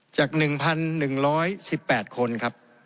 จาก๑๑๑๘คนครับ